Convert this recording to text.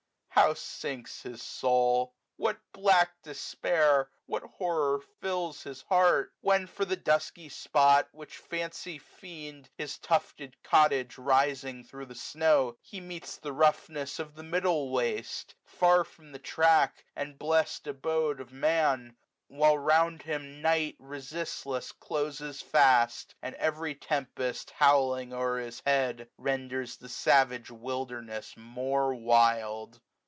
How sinks his soul ! What black despair, what horror fills his heart ! When for the dusky spot, which fancy feignM 290 His tufted cottage rising thro* the snow. He meets the roughness of the middle waste. Far from the track, and blest abode of Man; While round him night resistless closes fast. And every tempest, howling o'er his head, 295 Renders the savage wilderness more wild.